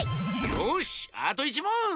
よしあと１もん！